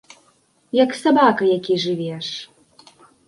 Як сабака які жывеш.